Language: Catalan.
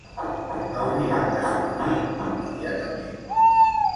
Haurien de sortir immediatament.